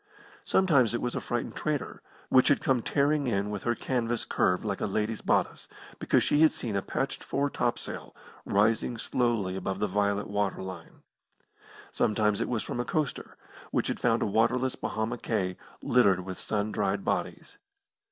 Sometimes it was a frightened trader, which had come tearing in with her canvas curved like a lady's bodice, because she had seen a patched foretopsail rising slowly above the violet water line. Sometimes it was from a coaster, which had found a waterless Bahama cay littered with sun dried bodies.